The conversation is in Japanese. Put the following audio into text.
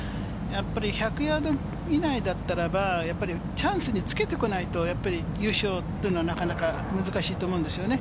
１００ヤード以内だったらば、やっぱりチャンスにつけておかないと、やっぱり優勝というのはなかなか難しいと思うんですよね。